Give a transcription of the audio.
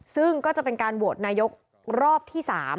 ซึ่งก็จะเป็นการโหวตนายกรอบที่๓